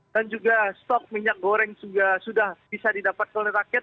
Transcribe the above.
dan juga stok minyak goreng sudah bisa didapat oleh rakyat